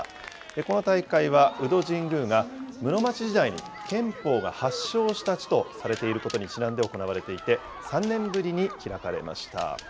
この大会は、鵜戸神宮が室町時代に、剣法が発祥した地とされていることにちなんで行われていて、３年ぶりに開かれました。